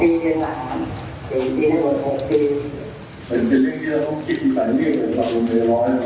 ว่าง่ายนิดหนึ่งก็ออกมาแสดงทั้งทีทุกครั้งเจ้าที่แล้ว